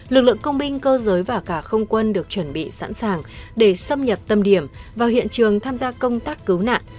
lực lượng công binh cơ giới và cả không quân được chuẩn bị sẵn sàng để xâm nhập tâm điểm vào hiện trường tham gia công tác cứu nạn